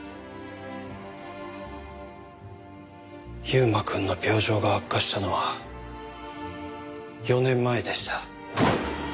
優馬くんの病状が悪化したのは４年前でした。